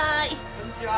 こんにちは。